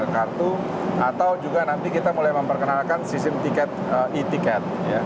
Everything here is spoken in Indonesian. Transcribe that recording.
kartu atau juga nanti kita mulai memperkenalkan sistem tiket e tiket